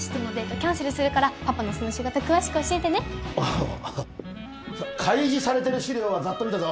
キャンセルするからパパのその仕事詳しく教えてねおお開示されてる資料はザッと見たぞ